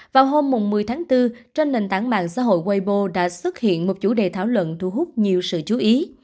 vào hôm một mươi tháng bốn trên nền tảng mạng xã hội wibo đã xuất hiện một chủ đề thảo luận thu hút nhiều sự chú ý